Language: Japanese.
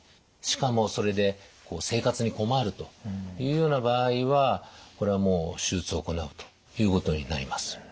しかもそれで生活に困るというような場合はこれはもう手術を行うということになります。